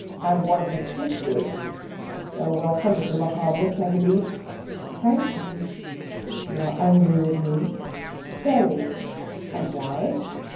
And one of his sisters oh, well, some of them are harmless, I believe." "Thank you." "You are angry with me?" "Very." "And why?"